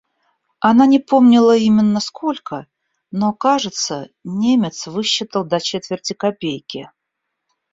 Она не помнила именно сколько, но, кажется, Немец высчитал до четверти копейки.